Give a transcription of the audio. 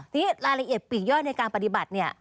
ทีนี้รายละเอียดปีกย่อยในการปฏิบัติเนี่ย